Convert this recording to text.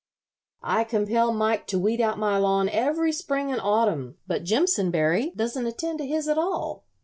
I compel Mike to weed out my lawn every spring and autumn, but Jimpsonberry doesn't attend to his at all.